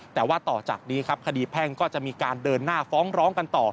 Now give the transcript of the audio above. แต่ว่าต่อจากนี้ครับคดีแพ่งก็จะมีการเดินหน้าฟ้องร้องกันต่อ